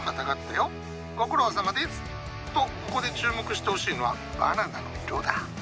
ご苦労さまです！とここで注目してほしいのはバナナの色だ。